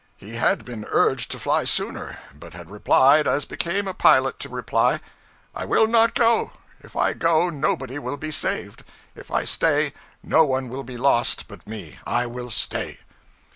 He had been urged to fly sooner, but had replied as became a pilot to reply 'I will not go. If I go, nobody will be saved; if I stay, no one will be lost but me. I will stay.'